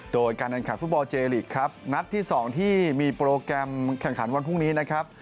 โดยการแข่งขันฟุตบอลเจลีกครับนัดที่๒ที่มีโปรแกรมแข่งขันวันพรุ่งนี้นะครับ